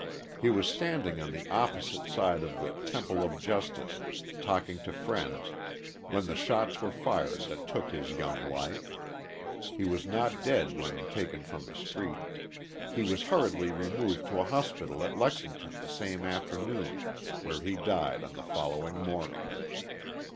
He was standing on the opposite side of the "Temple of Justice," talking to friends, when the shots were fired that took his young life. He was not dead when taken from the street. He was hurriedly removed to a hospital at Lexington the same afternoon, where he died on the following morning.